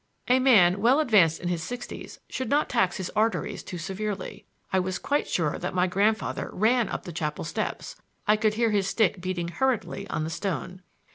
A man well advanced in the sixties should not tax his arteries too severely. I was quite sure that my grandfather ran up the chapel steps; I could hear his stick beating hurriedly on the stone.